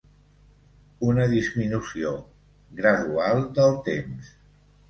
Una disminució gradual del temps.